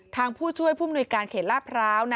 ทางผู้ช่วยภูมิหน่วยการเข็ดล่าพร้าว